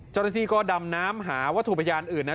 เจ้าหน้าที่ก็ดำน้ำหาวัตถุพยานอื่นนะ